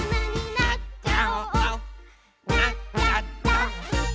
「なっちゃった！」